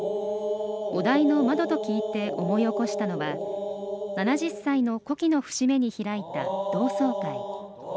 お題の「窓」と聞いて思い起こしたのは７０歳の古希の節目に開いた同窓会。